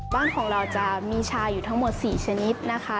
บ้านของเราจะมีชาอยู่ทั้งหมด๔ชนิดนะคะ